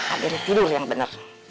aden tidur yang bener